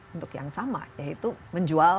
untuk yang sama yaitu menjual